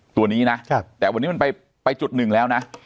ตัวนี้นะแต่วันนี้มันไปจุดหนึ่งแล้วนะ